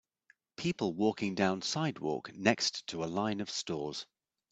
People walking down sidewalk next to a line of stores.